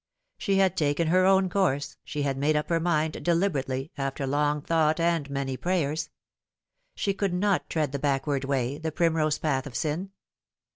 She had taken her own course, she had made up her mind deliberately, after long thought and many prayers. She could not tread the backward way, the primrose path of sin.